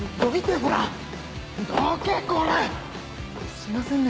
すいませんね